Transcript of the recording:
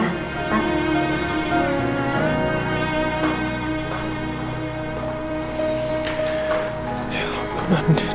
ya ampun anbin